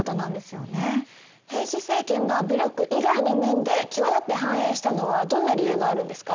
平氏政権が武力以外の面で際立って繁栄したのはどんな理由があるんですか？